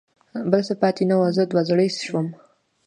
بل څه پاتې نه و، زه دوه زړی شوم.